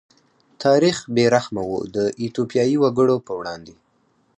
تاریخ بې رحمه و د ایتوپیايي وګړو په وړاندې.